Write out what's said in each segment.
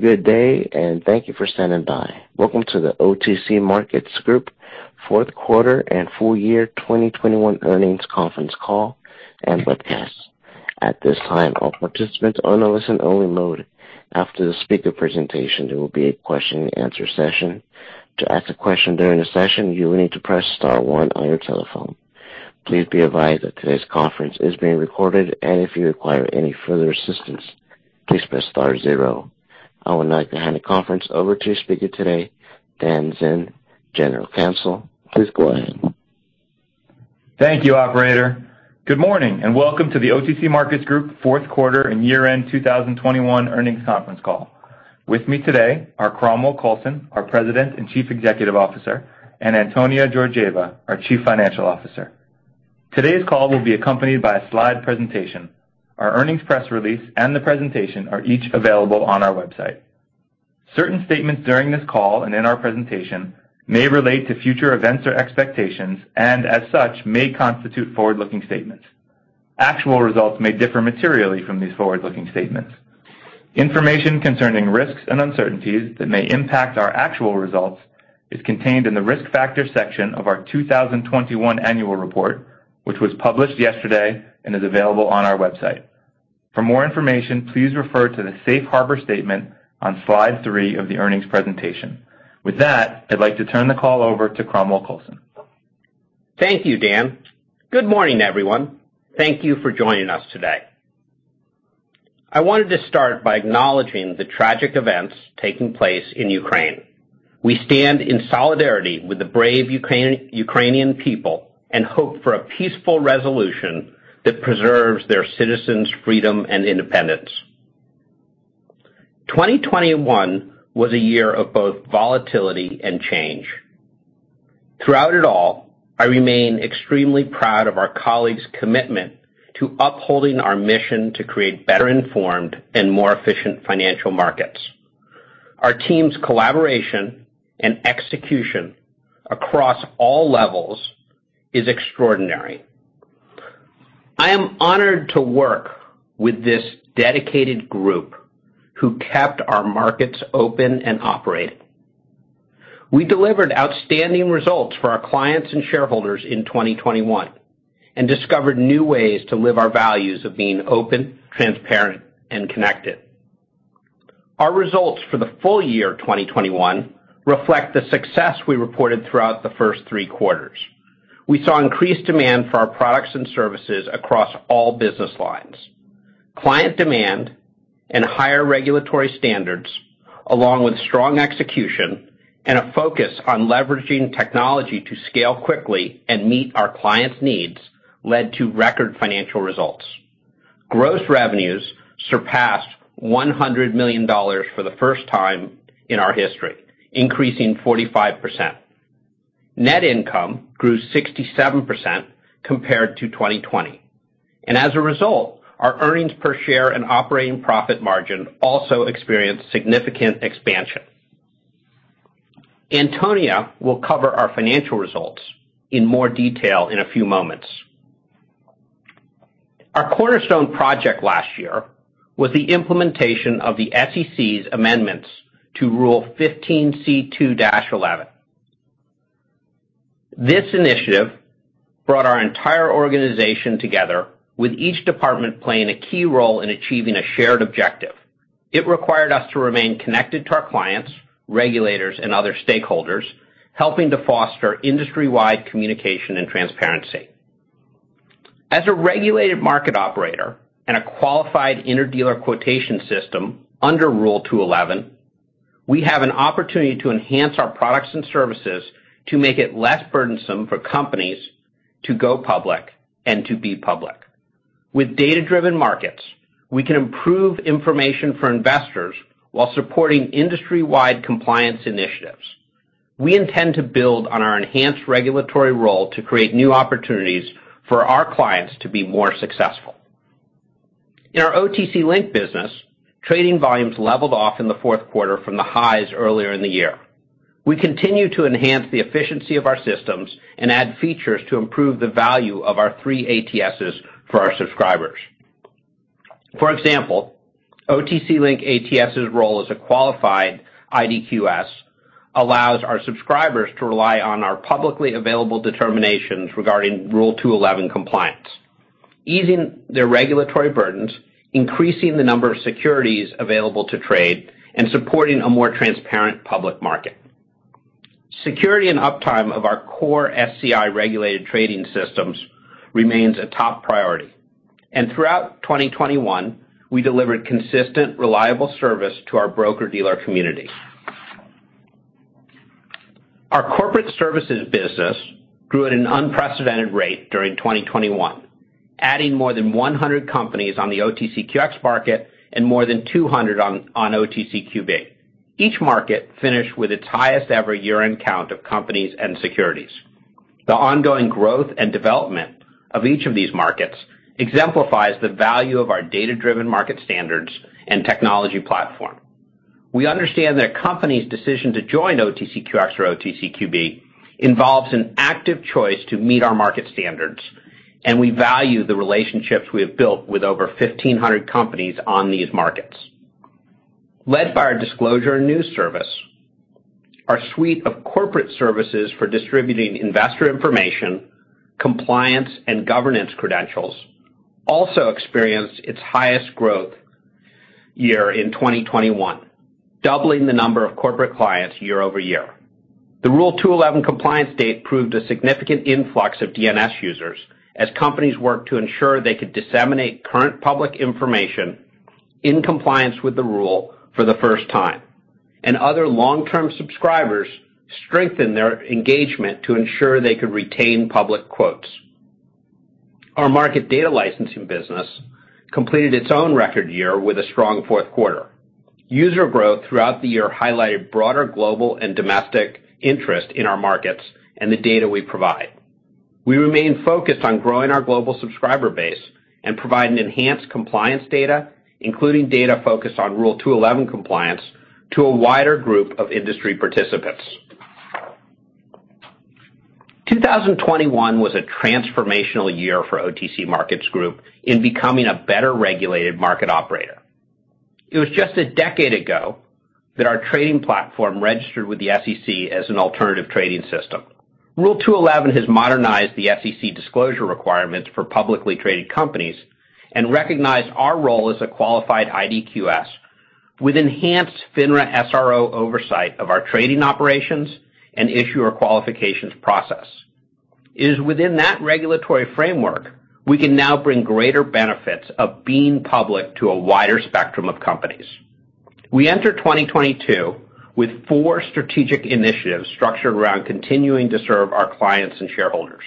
Good day, and thank you for standing by. Welcome to the OTC Markets Group Q4 and Full Year 2021 Earnings Conference Call and Webcast. At this time, all participants are on a listen-only mode. After the speaker presentation, there will be a question-and-answer session. To ask a question during the session, you will need to press star one on your telephone. Please be advised that today's conference is being recorded, and if you require any further assistance, please press star zero. I would now like to hand the conference over to speaker today, Dan Zinn, General Counsel. Please go ahead. Thank you, operator. Good morning, and welcome to the OTC Markets Group Q4 and year-end 2021 earnings conference call. With me today are Cromwell Coulson, our President and Chief Executive Officer, and Antonia Georgieva, our Chief Financial Officer. Today's call will be accompanied by a slide presentation. Our earnings press release and the presentation are each available on our website. Certain statements during this call and in our presentation may relate to future events or expectations and, as such, may constitute forward-looking statements. Actual results may differ materially from these forward-looking statements. Information concerning risks and uncertainties that may impact our actual results is contained in the Risk Factors section of our 2021 annual report, which was published yesterday and is available on our website. For more information, please refer to the Safe Harbor statement on Slide 3 of the earnings presentation. With that, I'd like to turn the call over to Cromwell Coulson. Thank you, Dan. Good morning, everyone. Thank you for joining us today. I wanted to start by acknowledging the tragic events taking place in Ukraine. We stand in solidarity with the brave Ukrainian people and hope for a peaceful resolution that preserves their citizens' freedom and independence. 2021 was a year of both volatility and change. Throughout it all, I remain extremely proud of our colleagues' commitment to upholding our mission to create better-informed and more efficient financial markets. Our team's collaboration and execution across all levels is extraordinary. I am honored to work with this dedicated group who kept our markets open and operating. We delivered outstanding results for our clients and shareholders in 2021 and discovered new ways to live our values of being open, transparent, and connected. Our results for the full year 2021 reflect the success we reported throughout the first three quarters. We saw increased demand for our products and services across all business lines. Client demand and higher regulatory standards, along with strong execution and a focus on leveraging technology to scale quickly and meet our clients' needs, led to record financial results. Gross revenues surpassed $100 million for the first time in our history, increasing 45%. Net income grew 67% compared to 2020, and as a result, our earnings per share and operating profit margin also experienced significant expansion. Antonia will cover our financial results in more detail in a few moments. Our cornerstone project last year was the implementation of the SEC's amendments to Rule 15c2-11. This initiative brought our entire organization together, with each department playing a key role in achieving a shared objective. It required us to remain connected to our clients, regulators, and other stakeholders, helping to foster industry-wide communication and transparency. As a regulated market operator and a Qualified Inter-Dealer Quotation System under Rule 15c2-11, we have an opportunity to enhance our products and services to make it less burdensome for companies to go public and to be public. With data-driven markets, we can improve information for investors while supporting industry-wide compliance initiatives. We intend to build on our enhanced regulatory role to create new opportunities for our clients to be more successful. In our OTC Link business, trading volumes leveled off in the Q4 from the highs earlier in the year. We continue to enhance the efficiency of our systems and add features to improve the value of our three ATSs for our subscribers. For example, OTC Link ATS's role as a qualified IDQS allows our subscribers to rely on our publicly available determinations regarding Rule 15c2-11 compliance, easing their regulatory burdens, increasing the number of securities available to trade, and supporting a more transparent public market. Security and uptime of our core SCI-regulated trading systems remains a top priority, and throughout 2021, we delivered consistent, reliable service to our broker-dealer community. Our corporate services business grew at an unprecedented rate during 2021, adding more than 100 companies on the OTCQX market and more than 200 on OTCQB. Each market finished with its highest-ever year-end count of companies and securities. The ongoing growth and development of each of these markets exemplifies the value of our data-driven market standards and technology platform. We understand that a company's decision to join OTCQX or OTCQB involves an active choice to meet our market standards, and we value the relationships we have built with over 1,500 companies on these markets. Led by our Disclosure and News Service, our suite of corporate services for distributing investor information, compliance, and governance credentials also experienced its highest growth year in 2021, doubling the number of corporate clients year-over-year. The Rule 15c2-11 compliance date provided a significant influx of DNS users as companies work to ensure they could disseminate current public information in compliance with the rule for the first time, and other long-term subscribers strengthened their engagement to ensure they could retain public quotes. Our market data licensing business completed its own record year with a strong Q4. User growth throughout the year highlighted broader global and domestic interest in our markets and the data we provide. We remain focused on growing our global subscriber base and provide an enhanced compliance data, including data focused on Rule 15c2-11 compliance, to a wider group of industry participants. 2021 was a transformational year for OTC Markets Group in becoming a better-regulated market operator. It was just a decade ago that our trading platform registered with the SEC as an alternative trading system. Rule 15c2-11 has modernized the SEC disclosure requirements for publicly traded companies and recognized our role as a qualified IDQS with enhanced FINRA SRO oversight of our trading operations and issuer qualifications process. It is within that regulatory framework we can now bring greater benefits of being public to a wider spectrum of companies. We enter 2022 with four strategic initiatives structured around continuing to serve our clients and shareholders.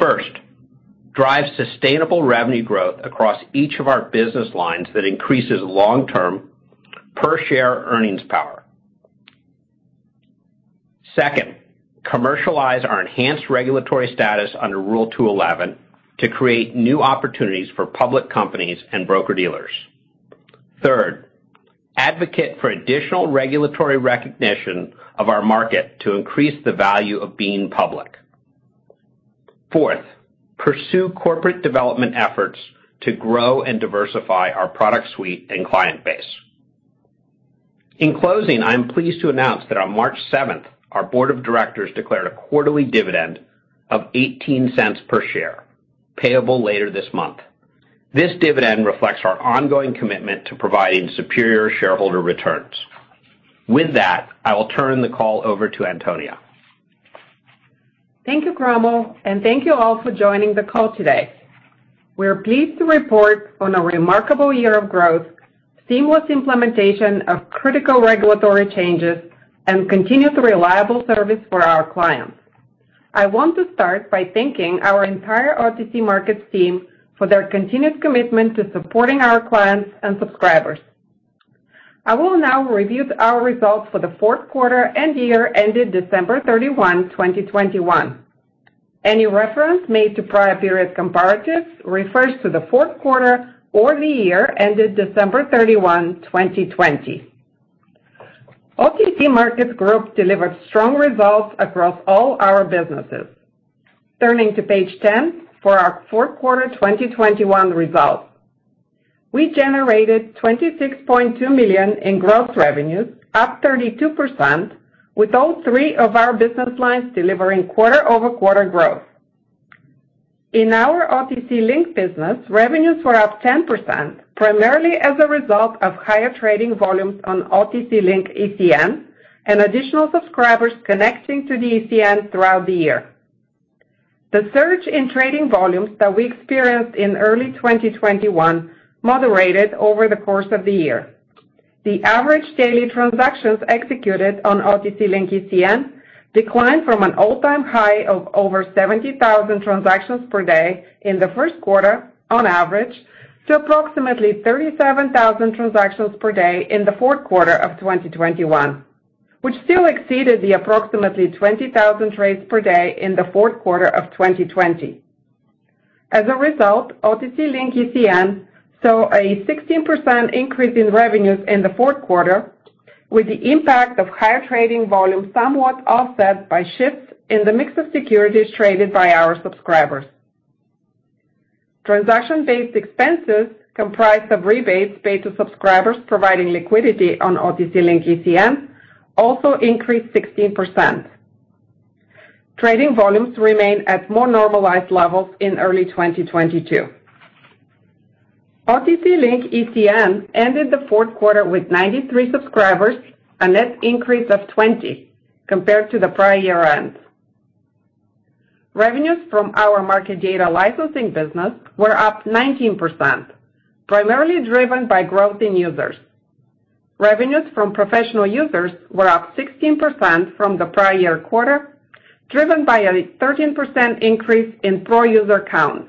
First, drive sustainable revenue growth across each of our business lines that increases long-term per-share earnings power. Second, commercialize our enhanced regulatory status under Rule 15c2-11 to create new opportunities for public companies and broker-dealers. Third, advocate for additional regulatory recognition of our market to increase the value of being public. Fourth, pursue corporate development efforts to grow and diversify our product suite and client base. In closing, I am pleased to announce that on March seventh, our board of directors declared a quarterly dividend of $0.18 per share, payable later this month. This dividend reflects our ongoing commitment to providing superior shareholder returns. With that, I will turn the call over to Antonia. Thank you, Cromwell, and thank you all for joining the call today. We are pleased to report on a remarkable year of growth, seamless implementation of critical regulatory changes, and continued reliable service for our clients. I want to start by thanking our entire OTC Markets team for their continued commitment to supporting our clients and subscribers. I will now review our results for the Q4 and year ended December 31, 2021. Any reference made to prior period comparatives refers to the Q4 or the year ended December 31, 2020. OTC Markets Group delivered strong results across all our businesses. Turning to Page 10 for our Q4 2021 results. We generated $26.2 million in gross revenues, up 32%, with all three of our business lines delivering quarter-over-quarter growth. In our OTC Link business, revenues were up 10%, primarily as a result of higher trading volumes on OTC Link ECN and additional subscribers connecting to the ECN throughout the year. The surge in trading volumes that we experienced in early 2021 moderated over the course of the year. The average daily transactions executed on OTC Link ECN declined from an all-time high of over 70,000 transactions per day in the Q1 on average to approximately 37,000 transactions per day in the Q4 of 2021, which still exceeded the approximately 20,000 trades per day in the Q4 of 2020. As a result, OTC Link ECN saw a 16% increase in revenues in the Q4, with the impact of higher trading volumes somewhat offset by shifts in the mix of securities traded by our subscribers. Transaction-based expenses comprised of rebates paid to subscribers providing liquidity on OTC Link ECN also increased 16%. Trading volumes remain at more normalized levels in early 2022. OTC Link ECN ended the Q4 with 93 subscribers, a net increase of 20 compared to the prior year ends. Revenues from our market data licensing business were up 19%, primarily driven by growth in users. Revenues from professional users were up 16% from the prior year quarter, driven by a 13% increase in pro-user count.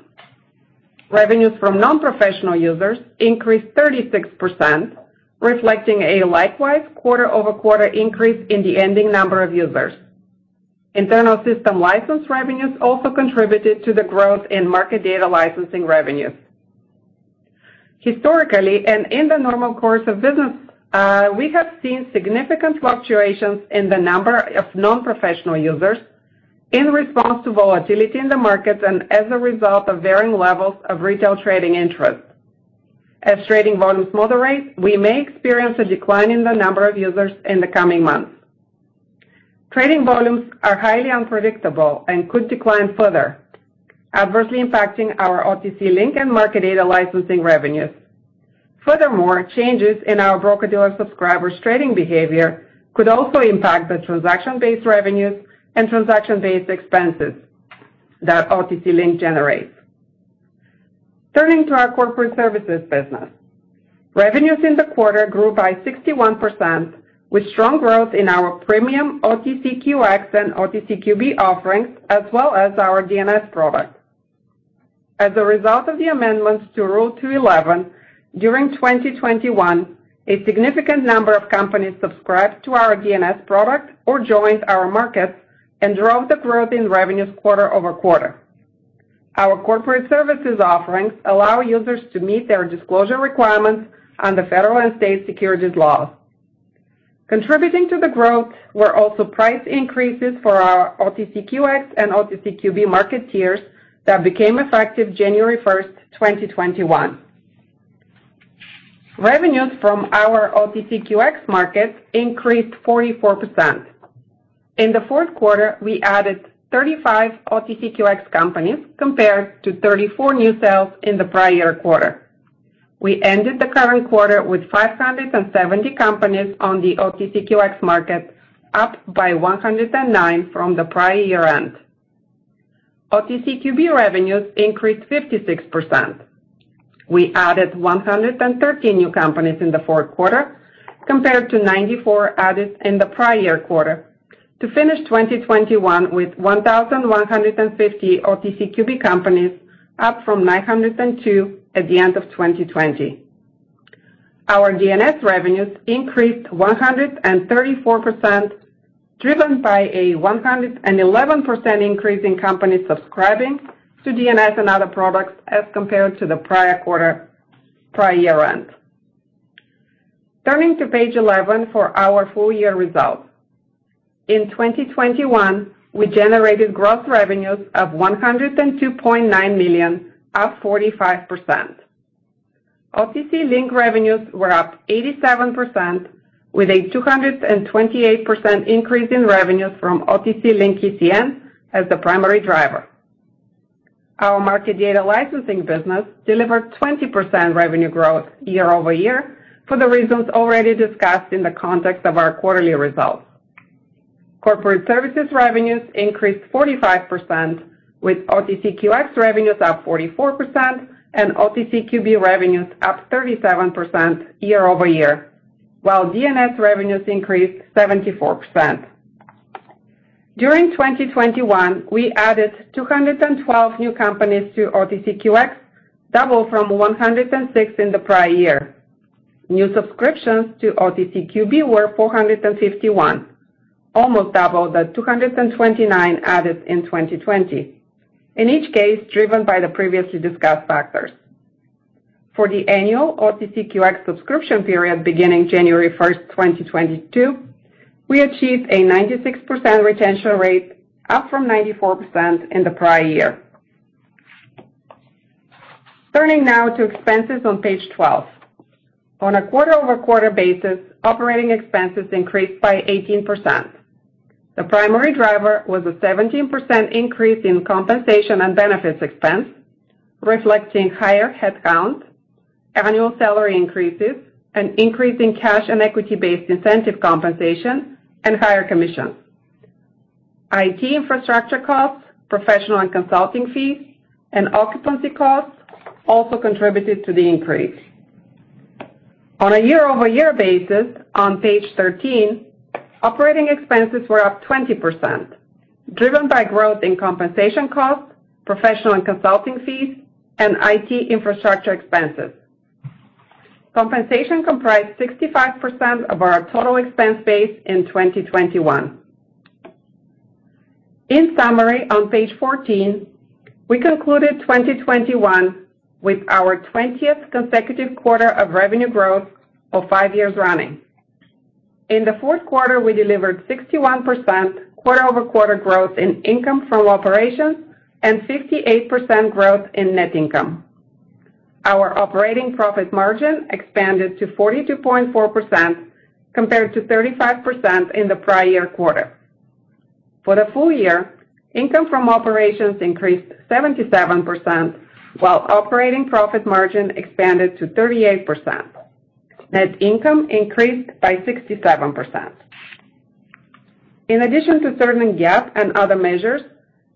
Revenues from non-professional users increased 36%, reflecting a likewise quarter-over-quarter increase in the ending number of users. Internal system license revenues also contributed to the growth in market data licensing revenues. Historically, and in the normal course of business, we have seen significant fluctuations in the number of non-professional users in response to volatility in the markets and as a result of varying levels of retail trading interest. As trading volumes moderate, we may experience a decline in the number of users in the coming months. Trading volumes are highly unpredictable and could decline further, adversely impacting our OTC Link and market data licensing revenues. Furthermore, changes in our broker-dealer subscribers' trading behavior could also impact the transaction-based revenues and transaction-based expenses that OTC Link generates. Turning to our corporate services business. Revenues in the quarter grew by 61% with strong growth in our premium OTCQX and OTCQB offerings, as well as our DNS product. As a result of the amendments to Rule 15c2-11, during 2021, a significant number of companies subscribed to our DNS product or joined our markets and drove the growth in revenues quarter-over-quarter. Our corporate services offerings allow users to meet their disclosure requirements under federal and state securities laws. Contributing to the growth were also price increases for our OTCQX and OTCQB market tiers that became effective January 1, 2021. Revenues from our OTCQX markets increased 44%. In the Q4, we added 35 OTCQX companies compared to 34 new sales in the prior quarter. We ended the current quarter with 570 companies on the OTCQX market, up by 109 from the prior year-end. OTCQB revenues increased 56%. We added 113 new companies in the Q4, compared to 94 added in the prior quarter, to finish 2021 with 1,150 OTCQB companies, up from 902 at the end of 2020. Our DNS revenues increased 134%, driven by a 111% increase in companies subscribing to DNS and other products as compared to the prior quarter, prior year end. Turning to Page 11 for our full year results. In 2021, we generated gross revenues of $102.9 million, up 45%. OTC Link revenues were up 87% with a 228% increase in revenues from OTC Link ECN as the primary driver. Our market data licensing business delivered 20% revenue growth year-over-year for the reasons already discussed in the context of our quarterly results. Corporate services revenues increased 45% with OTCQX revenues up 44% and OTCQB revenues up 37% year-over-year, while DNS revenues increased 74%. During 2021, we added 212 new companies to OTCQX, double from 106 in the prior year. New subscriptions to OTCQB were 451, almost double the 229 added in 2020. In each case, driven by the previously discussed factors. For the annual OTCQX subscription period beginning January 1, 2022, we achieved a 96% retention rate, up from 94% in the prior year. Turning now to expenses on Page 12. On a quarter-over-quarter basis, operating expenses increased by 18%. The primary driver was a 17% increase in compensation and benefits expense, reflecting higher headcount, annual salary increases, an increase in cash and equity-based incentive compensation, and higher commissions. IT infrastructure costs, professional and consulting fees, and occupancy costs also contributed to the increase. On a year-over-year basis, on Page 13, operating expenses were up 20%, driven by growth in compensation costs, professional and consulting fees, and IT infrastructure expenses. Compensation comprised 65% of our total expense base in 2021. In summary, on Page 14, we concluded 2021 with our 20th consecutive quarter of revenue growth for five years running. In the Q4, we delivered 61% quarter-over-quarter growth in income from operations and 58% growth in net income. Our operating profit margin expanded to 42.4% compared to 35% in the prior quarter. For the full year, income from operations increased 77% while operating profit margin expanded to 38%. Net income increased by 67%. In addition to certain GAAP and other measures,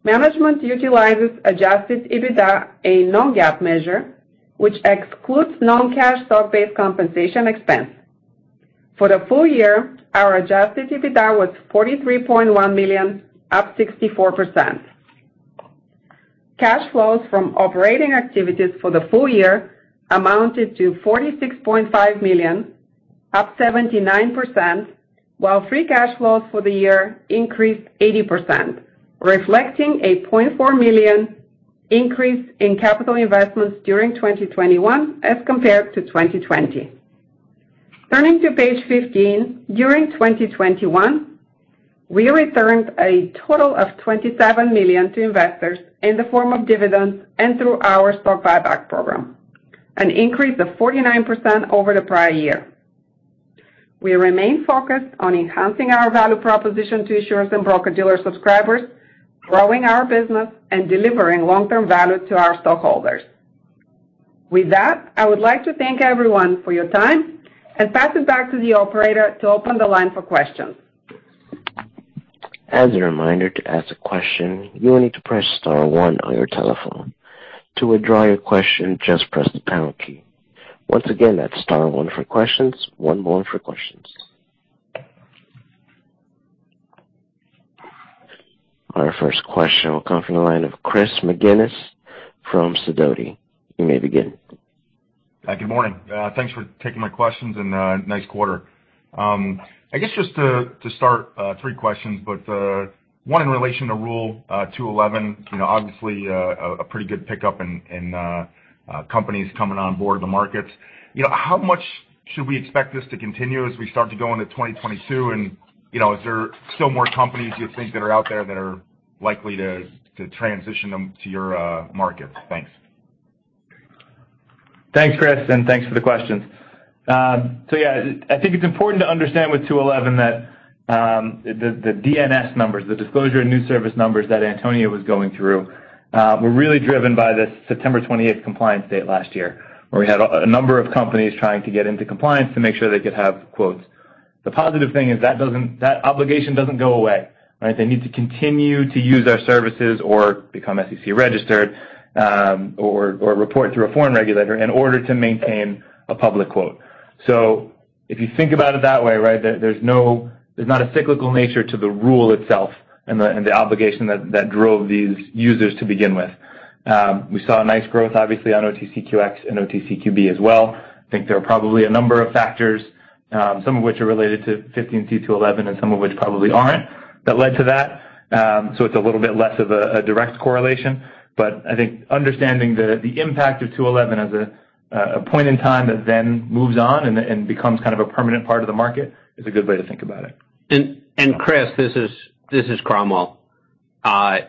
management utilizes Adjusted EBITDA, a non-GAAP measure, which excludes non-cash stock-based compensation expense. For the full year, our Adjusted EBITDA was $43.1 million, up 64%. Cash flows from operating activities for the full year amounted to $46.5 million, up 79%, while free cash flows for the year increased 80%, reflecting a $0.4 million increase in capital investments during 2021 as compared to 2020. Turning to Page 15, during 2021, we returned a total of $27 million to investors in the form of dividends and through our stock buyback program, an increase of 49% over the prior year. We remain focused on enhancing our value proposition to insurance and broker-dealer subscribers, growing our business, and delivering long-term value to our stockholders. With that, I would like to thank everyone for your time and pass it back to the operator to open the line for questions. As a reminder, to ask a question, you will need to press star one on your telephone. To withdraw your question, just press the pound key. Once again, that's star one for questions, one more for questions. Our first question will come from the line of Chris McGinnis from Sidoti. You may begin. Good morning. Thanks for taking my questions and nice quarter. I guess just to start, three questions, but one in relation to Rule 15c2-11. You know, obviously, a pretty good pickup in companies coming on board the markets. You know, how much should we expect this to continue as we start to go into 2022? You know, is there still more companies you think that are out there that are likely to transition them to your markets? Thanks. Thanks, Chris, and thanks for the questions. So yeah, I think it's important to understand with 15c2-11 that, the DNS numbers, the Disclosure and News Service numbers that Antonia was going through, were really driven by the September 20th compliance date last year, where we had a number of companies trying to get into compliance to make sure they could have quotes. The positive thing is that obligation doesn't go away, right? They need to continue to use our services or become SEC-registered, or report through a foreign regulator in order to maintain a public quote. If you think about it that way, right, there's not a cyclical nature to the rule itself and the obligation that drove these users to begin with. We saw a nice growth, obviously, on OTCQX and OTCQB as well. I think there are probably a number of factors, some of which are related to 15c2-11 and some of which probably aren't, that led to that. It's a little bit less of a direct correlation. I think understanding the impact of 15c2-11 as a point in time that then moves on and becomes kind of a permanent part of the market is a good way to think about it. Chris, this is Cromwell. I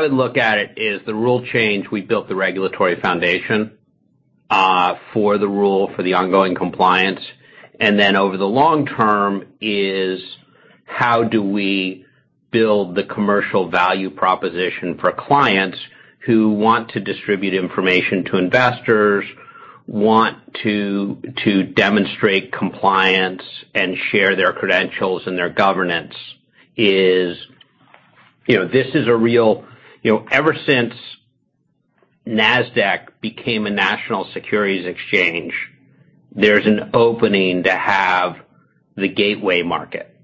would look at it as the rule change. We built the regulatory foundation for the rule for the ongoing compliance. Then over the long term is how do we build the commercial value proposition for clients who want to distribute information to investors, want to demonstrate compliance and share their credentials and their governance. You know, this is a real. You know, ever since Nasdaq became a national securities exchange, there's an opening to have the gateway market,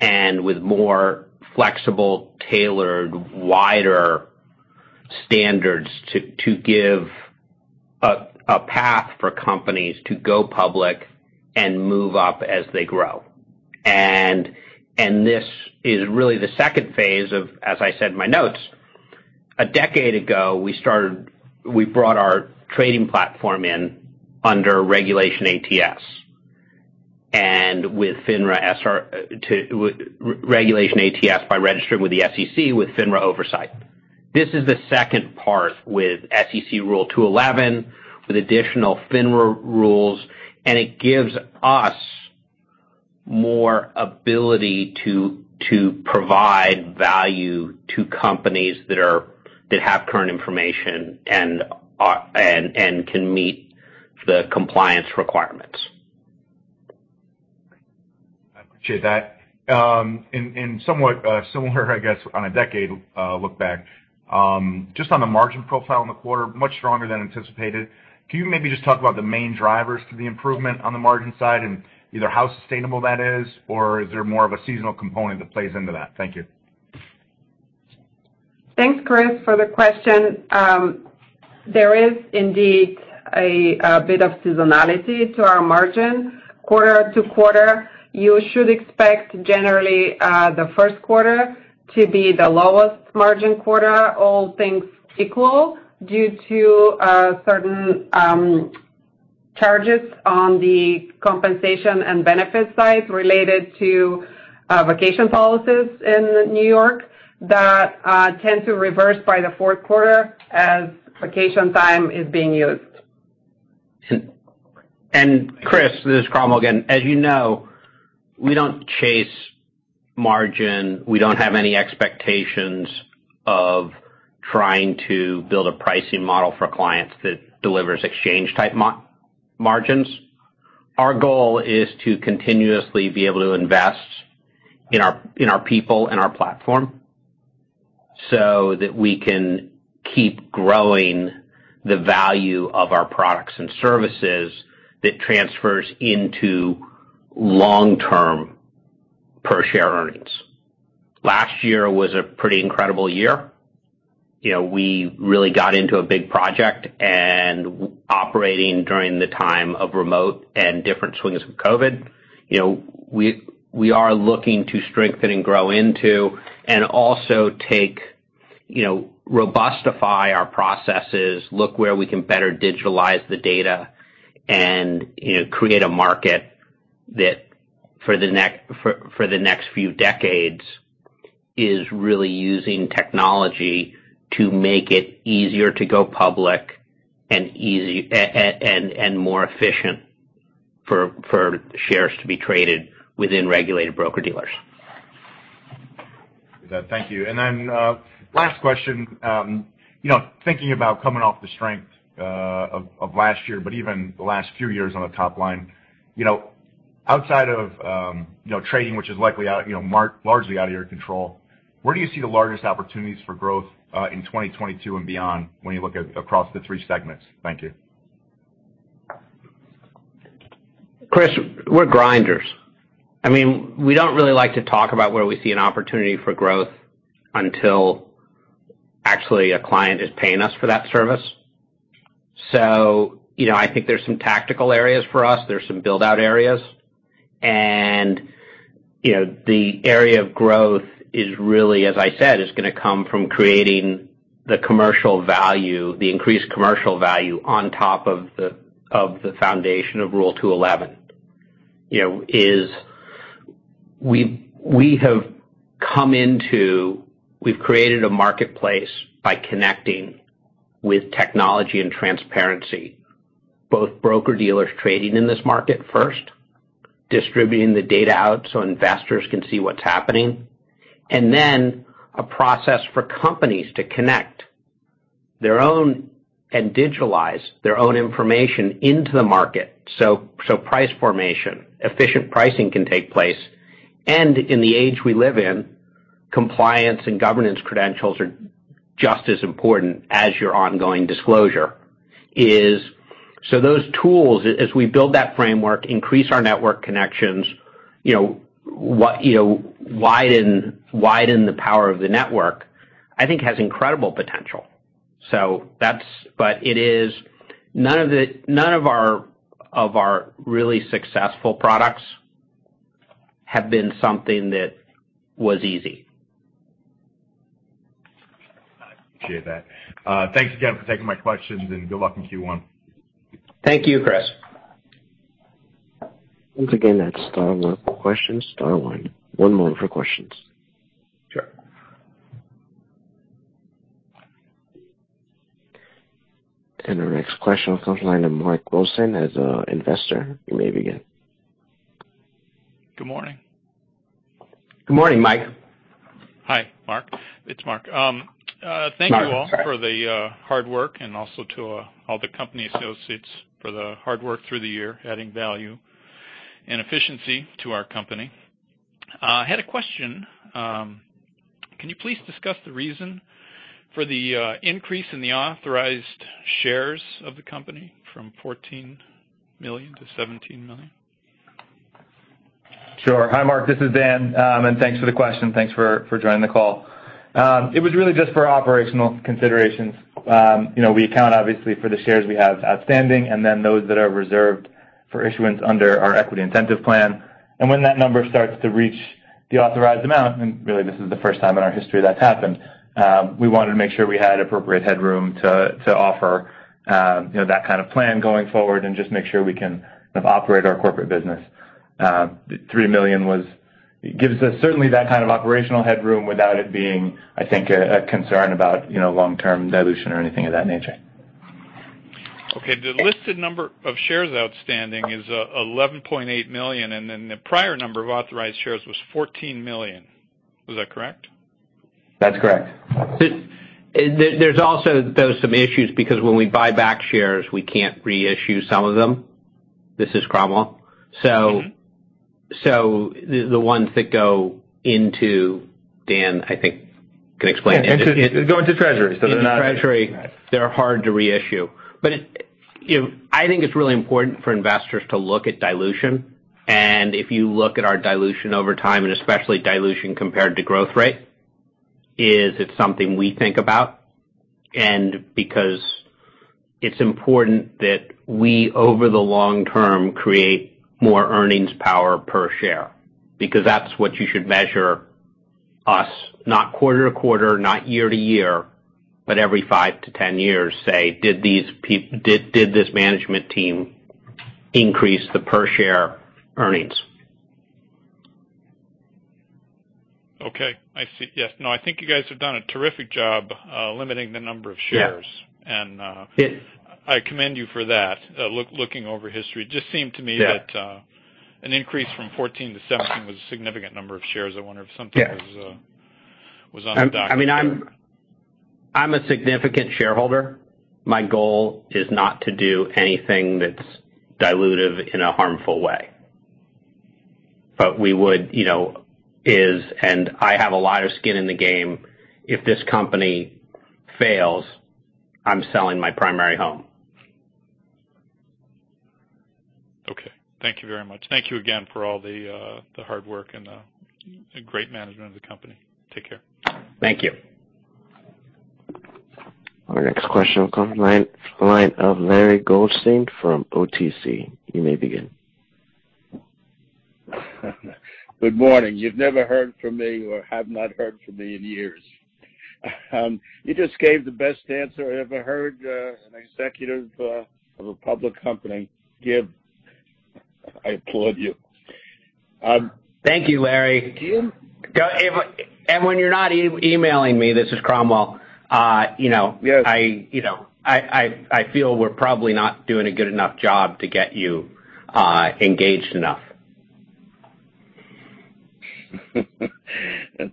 and with more flexible, tailored, wider standards to give a path for companies to go public and move up as they grow. This is really the second phase of, as I said in my notes, a decade ago, we started we brought our trading platform in under Regulation ATS. With FINRA SRO Regulation ATS by registering with the SEC with FINRA oversight. This is the second part with SEC Rule 15c2-11 with additional FINRA rules, and it gives us more ability to provide value to companies that have current information and can meet the compliance requirements. I appreciate that. Somewhat similar, I guess, on a decade look back. Just on the margin profile in the quarter, much stronger than anticipated. Can you maybe just talk about the main drivers to the improvement on the margin side and either how sustainable that is, or is there more of a seasonal component that plays into that? Thank you. Thanks, Chris, for the question. There is indeed a bit of seasonality to our margin quarter to quarter. You should expect generally the Q1 to be the lowest margin quarter, all things equal, due to certain charges on the compensation and benefit side related to vacation policies in New York that tend to reverse by the Q4 as vacation time is being used. Chris, this is Cromwell again. As you know, we don't chase margin. We don't have any expectations of trying to build a pricing model for clients that delivers exchange-type margins. Our goal is to continuously be able to invest in our, in our people and our platform so that we can keep growing the value of our products and services that transfers into long-term per share earnings. Last year was a pretty incredible year. You know, we really got into a big project and operating during the time of remote and different swings of COVID. You know, we are looking to strengthen and grow into and also take, you know, robustify our processes, look where we can better digitalize the data and, you know, create a market that for the next few decades is really using technology to make it easier to go public and easier and more efficient for shares to be traded within regulated broker-dealers. Thank you. Last question, you know, thinking about coming off the strength of last year, but even the last few years on the top line, you know, outside of, you know, trading, which is likely out, you know, largely out of your control, where do you see the largest opportunities for growth in 2022 and beyond when you look across the three segments? Thank you. Chris, we're grinders. I mean, we don't really like to talk about where we see an opportunity for growth until actually a client is paying us for that service. You know, I think there's some tactical areas for us. There's some build-out areas. You know, the area of growth is really, as I said, gonna come from creating the commercial value, the increased commercial value on top of the foundation of Rule 15c2-11. You know, we've created a marketplace by connecting with technology and transparency, both broker-dealers trading in this market first, distributing the data out so investors can see what's happening. Then a process for companies to connect their own and digitalize their own information into the market, so price formation, efficient pricing can take place. In the age we live in, compliance and governance credentials are just as important as your ongoing disclosure. It's so those tools, as we build that framework, increase our network connections, you know, widen the power of the network, I think has incredible potential. That's. It isn't. None of our really successful products have been something that was easy. I appreciate that. Thanks again for taking my questions, and good luck in Q1. Thank you, Chris. Once again, that's star one for questions, star one. One moment for questions. Our next question comes from the line of Mark Wilson as an investor. You may begin. Good morning. Good morning, Mike. Hi, Mark. It's Mark. Mark, sorry. Thank you all for the hard work and also to all the company associates for the hard work through the year, adding value and efficiency to our company. Had a question. Can you please discuss the reason for the increase in the authorized shares of the company from 14 million to 17 million? Sure. Hi, Mark, this is Dan. Thanks for the question. Thanks for joining the call. It was really just for operational considerations. You know, we account obviously for the shares we have outstanding and then those that are reserved for issuance under our equity incentive plan. When that number starts to reach the authorized amount, and really this is the first time in our history that's happened, we wanted to make sure we had appropriate headroom to offer, you know, that kind of plan going forward and just make sure we can operate our corporate business. Three million gives us certainly that kind of operational headroom without it being, I think, a concern about, you know, long-term dilution or anything of that nature. Okay. The listed number of shares outstanding is 11.8 million, and then the prior number of authorized shares was 14 million. Was that correct? That's correct. There's also some issues because when we buy back shares, we can't reissue some of them. This is Cromwell. The ones that go into, Dan, I think, can explain it. It goes to treasury, so they're not Into treasury. They're hard to reissue. You know, I think it's really important for investors to look at dilution. If you look at our dilution over time, and especially dilution compared to growth rate, it's something we think about. Because it's important that we, over the long term, create more earnings power per share, because that's what you should measure us, not quarter to quarter, not year to year, but every five to 10 years, say, did this management team increase the per share earnings? Okay. I see. Yes. No, I think you guys have done a terrific job, limiting the number of shares. Yeah. And, I commend you for that. Looking over history, it just seemed to me that, an increase from 14 million to 17 million was a significant number of shares. I wonder if something was on the docket there. I mean, I'm a significant shareholder. My goal is not to do anything that's dilutive in a harmful way. We would, you know. I have a lot of skin in the game. If this company fails, I'm selling my primary home. Okay. Thank you very much. Thank you again for all the hard work and great management of the company. Take care. Thank you. Our next question comes from the line of Larry Goldstein from OTC. You may begin. Good morning. You've never heard from me or have not heard from me in years. You just gave the best answer I ever heard an executive of a public company give. I applaud you. Thank you, Larry. When you're not emailing me, this is Cromwell, you know. You know, I feel we're probably not doing a good enough job to get you engaged enough.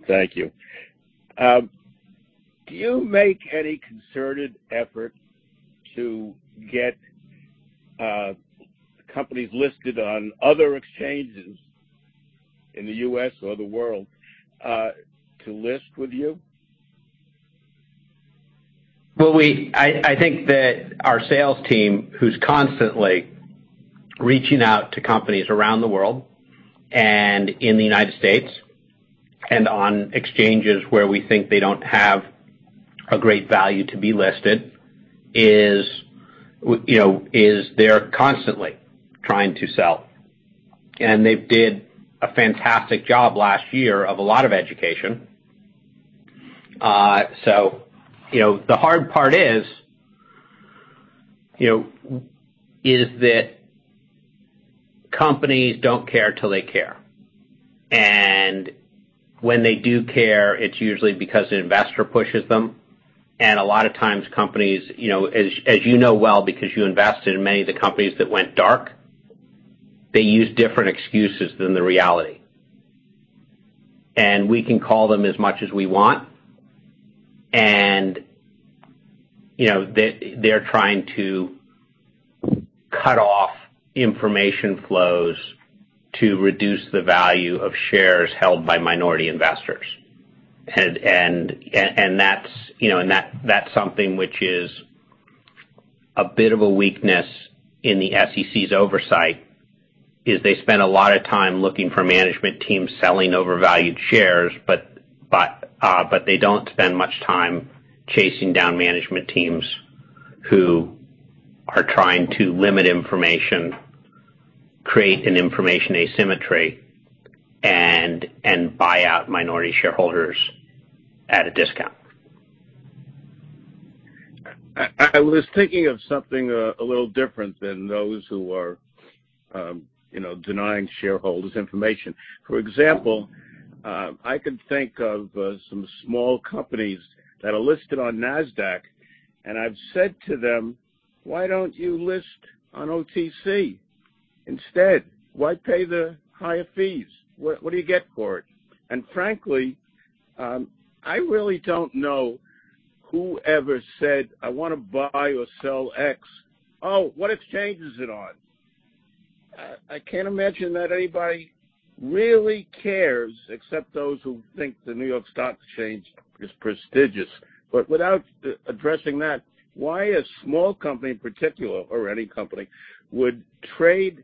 Thank you. Do you make any concerted effort to get companies listed on other exchanges in the U.S. or the world to list with you? I think that our sales team, who's constantly reaching out to companies around the world and in the United States, and on exchanges where we think they don't have a great value to be listed, they're constantly trying to sell. They did a fantastic job last year of a lot of education. You know, the hard part is that companies don't care till they care. When they do care, it's usually because an investor pushes them. A lot of times companies, you know, as you know well, because you invested in many of the companies that went dark, they use different excuses than the reality. We can call them as much as we want. You know, they're trying to cut off information flows to reduce the value of shares held by minority investors. That's, you know, that's something which is a bit of a weakness in the SEC's oversight. They spend a lot of time looking for management teams selling overvalued shares, but they don't spend much time chasing down management teams who are trying to limit information, create an information asymmetry, and buy out minority shareholders at a discount. I was thinking of something a little different than those who are, you know, denying shareholders information. For example, I can think of some small companies that are listed on Nasdaq, and I've said to them, "Why don't you list on OTC instead? Why pay the higher fees? What do you get for it?" Frankly, I really don't know whoever said, "I wanna buy or sell X. Oh, what exchange is it on?" I can't imagine that anybody really cares except those who think the New York Stock Exchange is prestigious. Without addressing that, why a small company in particular or any company would trade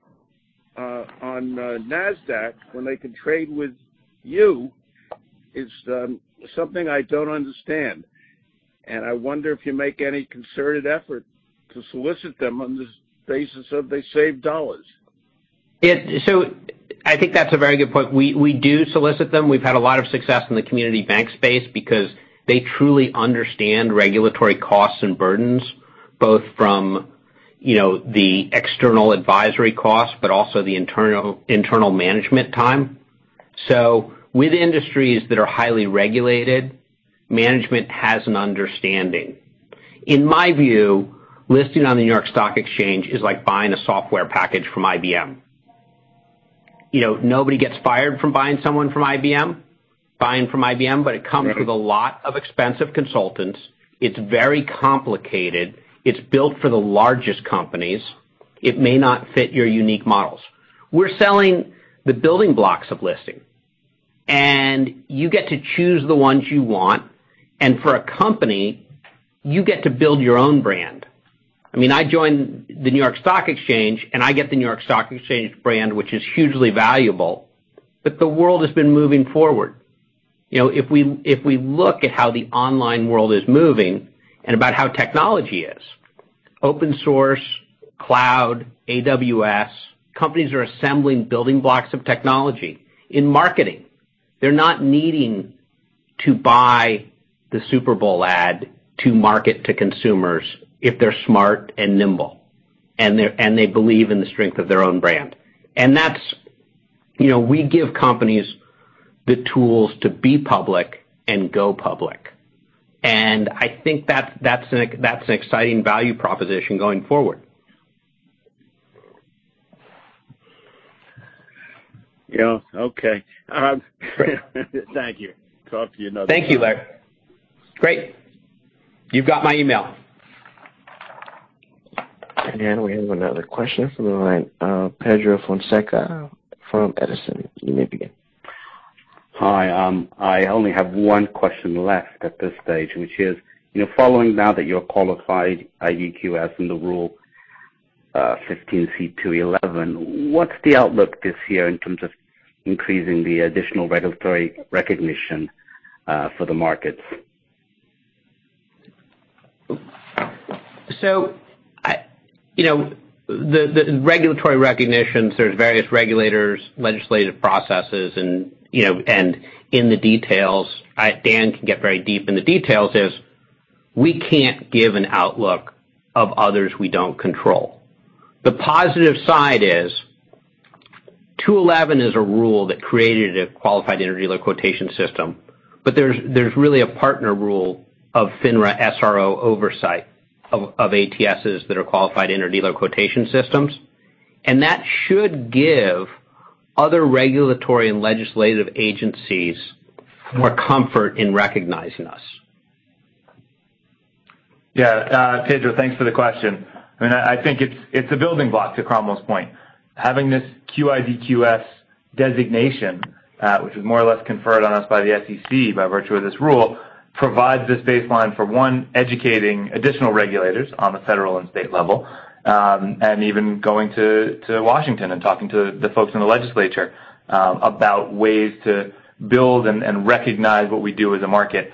on Nasdaq when they can trade with you is something I don't understand. I wonder if you make any concerted effort to solicit them on the basis of they save dollars. I think that's a very good point. We do solicit them. We've had a lot of success in the community bank space because they truly understand regulatory costs and burdens, both from, you know, the external advisory costs, but also the internal management time. With industries that are highly regulated, management has an understanding. In my view, listing on the New York Stock Exchange is like buying a software package from IBM. You know, nobody gets fired from buying from IBM. It comes with a lot of expensive consultants. It's very complicated. It's built for the largest companies. It may not fit your unique models. We're selling the building blocks of listing, and you get to choose the ones you want. For a company, you get to build your own brand. I mean, I joined the New York Stock Exchange, and I get the New York Stock Exchange brand, which is hugely valuable, but the world has been moving forward. You know, if we look at how the online world is moving and about how technology is, open source, cloud, AWS, companies are assembling building blocks of technology. In marketing, they're not needing to buy the Super Bowl ad to market to consumers if they're smart and nimble, and they believe in the strength of their own brand. That's, you know, we give companies the tools to be public and go public. I think that's an exciting value proposition going forward. Yeah. Okay. Thank you. Talk to you another time. Thank you, Larry. Great. You've got my email. We have another question from the line. Pedro Fonseca from Edison. You may begin. Hi. I only have one question left at this stage, which is, you know, following now that you're qualified IDQS in the Rule 15c2-11, what's the outlook this year in terms of increasing the additional regulatory recognition for the markets? You know, the regulatory recognitions, there's various regulators, legislative processes and, you know, and in the details, Dan can get very deep in the details, is we can't give an outlook of others we don't control. The positive side is Rule 15c2-11 is a rule that created a Qualified Inter-Dealer Quotation System. But there's really a partner rule of FINRA SRO oversight of ATSs that are Qualified Inter-Dealer Quotation Systems. That should give other regulatory and legislative agencies more comfort in recognizing us. Yeah. Pedro, thanks for the question. I mean, I think it's a building block to Cromwell's point. Having this QIDQS designation, which is more or less conferred on us by the SEC by virtue of this rule, provides this baseline for, one, educating additional regulators on the federal and state level, and even going to Washington and talking to the folks in the legislature, about ways to build and recognize what we do as a market.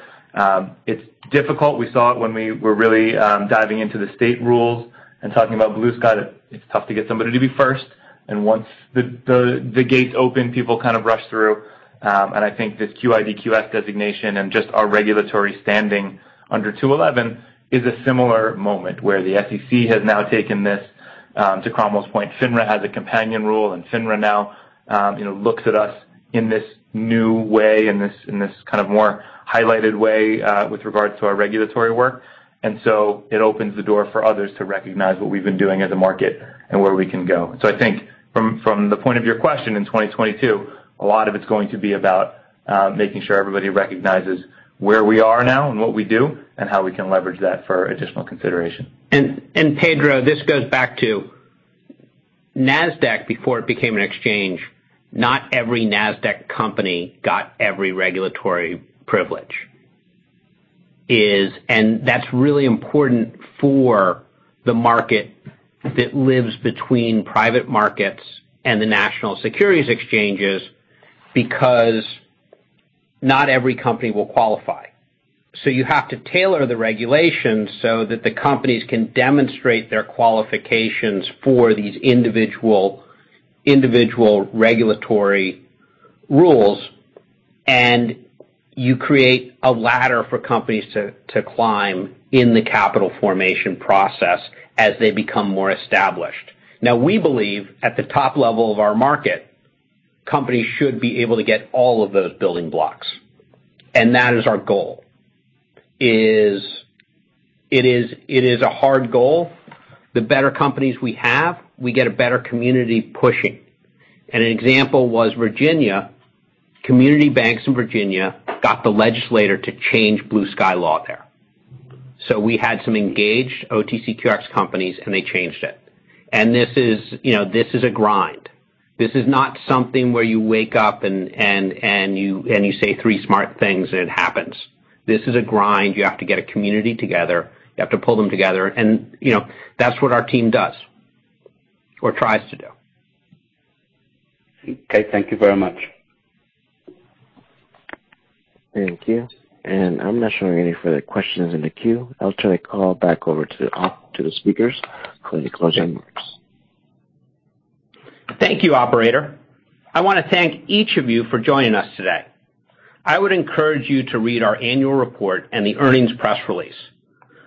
It's difficult. We saw it when we were really diving into the state rules and talking about blue sky. It's tough to get somebody to be first. Once the gates open, people kind of rush through. I think this QIDQS designation and just our regulatory standing under 15c2-11 is a similar moment where the SEC has now taken this. To Cromwell's point, FINRA has a companion rule, and FINRA now, you know, looks at us in this new way, in this kind of more highlighted way, with regards to our regulatory work. It opens the door for others to recognize what we've been doing as a market and where we can go. I think from the point of your question, in 2022, a lot of it's going to be about making sure everybody recognizes where we are now and what we do and how we can leverage that for additional consideration. Pedro, this goes back to Nasdaq before it became an exchange. Not every Nasdaq company got every regulatory privilege. That's really important for the market that lives between private markets and the national securities exchanges, because not every company will qualify. You have to tailor the regulations so that the companies can demonstrate their qualifications for these individual regulatory rules. You create a ladder for companies to climb in the capital formation process as they become more established. Now, we believe at the top level of our market, companies should be able to get all of those building blocks. That is our goal. It is a hard goal. The better companies we have, we get a better community pushing. An example was Virginia. Community banks in Virginia got the legislature to change blue sky law there. We had some engaged OTCQX companies, and they changed it. This is, you know, this is a grind. This is not something where you wake up and you say three smart things and it happens. This is a grind. You have to get a community together. You have to pull them together. You know, that's what our team does or tries to do. Okay. Thank you very much. Thank you. I'm not showing any further questions in the queue. I'll turn the call back over to the speakers for any closing remarks. Thank you, operator. I wanna thank each of you for joining us today. I would encourage you to read our annual report and the earnings press release.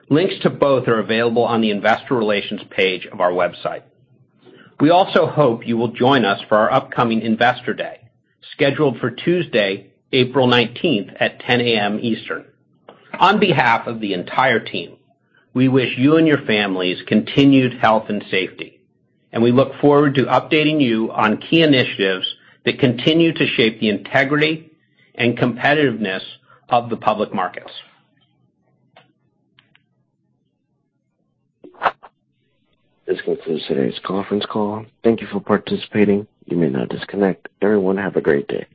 Links to both are available on the investor relations page of our website. We also hope you will join us for our upcoming Investor Day, scheduled for Tuesday, April 19th at 10 A.M. Eastern. On behalf of the entire team, we wish you and your families continued health and safety. We look forward to updating you on key initiatives that continue to shape the integrity and competitiveness of the public markets. This concludes today's conference call. Thank you for participating. You may now disconnect. Everyone, have a great day.